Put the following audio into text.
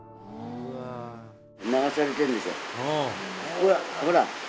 ほらほら